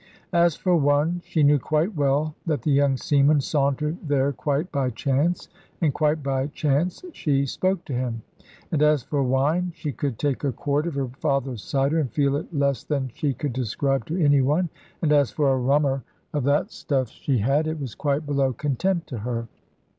As for one, she knew quite well that the young seaman sauntered there quite by chance, and quite by chance she spoke to him: and as for wine, she could take a quart of her father's cider, and feel it less than she could describe to any one; and as for a rummer of that stuff she had, it was quite below contempt to her.